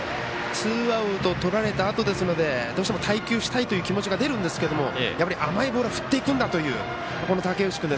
ツーアウトとられたあとですのでどうしても待球したいという気持ちが出るんですがやっぱり甘いボールは振っていくんだという竹内君。